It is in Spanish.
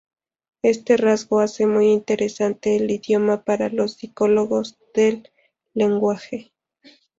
Este rasgo hace muy interesante el idioma para los psicólogos del lenguaje.